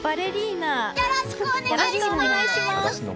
よろしくお願いします！